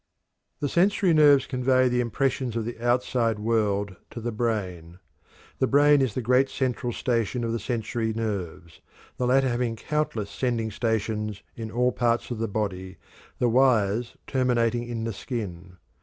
The sensory nerves convey the impressions of the outside world to the brain. The brain is the great central station of the sensory nerves, the latter having countless sending stations in all parts of the body, the "wires" terminating in the skin.